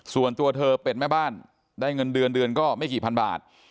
ส่วนตัวเธอเป็นแม่บ้านได้เงินเดือนเดือนก็ไม่กี่พันบาท